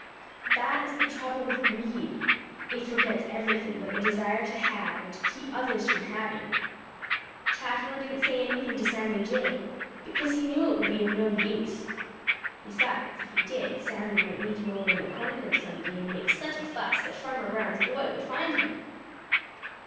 That is the trouble with greed: it forgets everything but the desire to have and to keep others from having. Chatterer didn't say anything to Sammy Jay, because he knew it would be of no use. Besides, if he did, Sammy might meet him over in the corn crib some day and make such a fuss that Farmer Brown's boy would find him.